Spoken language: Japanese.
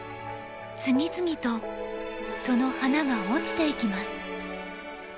次々とその花が落ちていきます。